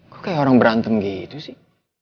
kok kayak orang berantem gitu sih